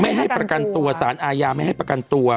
ให้ประกันตัวสารอาญาไม่ให้ประกันตัว